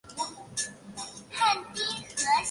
史迪威博物馆是重庆重要的陪都遗迹。